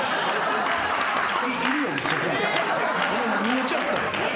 見えちゃった。